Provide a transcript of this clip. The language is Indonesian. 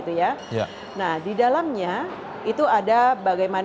pozisinya kristus kington mengudah adanya kennelin yang davain nei rac whose